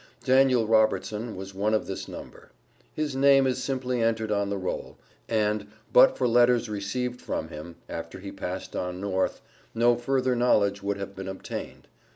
Daniel Robertson was one of this number; his name is simply entered on the roll, and, but for letters received from him, after he passed on North, no further knowledge would have been obtained.